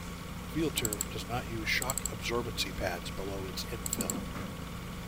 FieldTurf does not use shock absorbency pads below its infill.